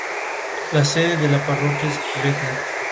En ese momento el jugador podrá curarse y guardar sus avances.